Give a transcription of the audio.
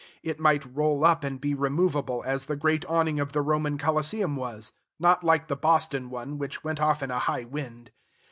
It might roll up and be removable, as the great awning of the Roman Coliseum was, not like the Boston one, which went off in a high wind.